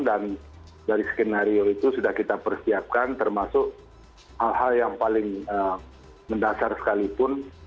dan dari skenario itu sudah kita persiapkan termasuk hal hal yang paling mendasar sekalipun